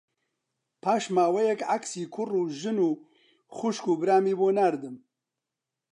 پاش ماوەیەک عەکسی کوڕ و ژن و خوشک و برامی بۆ ناردم